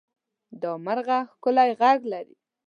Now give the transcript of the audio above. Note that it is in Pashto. دا مرغه ښکلی غږ لري.